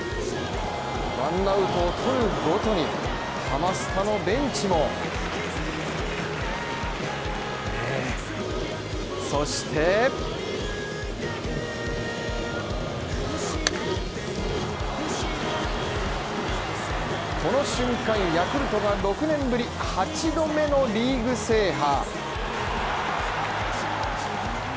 ワンアウトを取るごとに、ハマスタのベンチもそしてこの瞬間ヤクルトが６年ぶり８度目のリーグ制覇。